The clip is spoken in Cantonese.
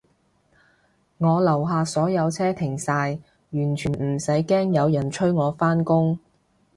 我樓下所有車停晒，完全唔使驚有人催我返工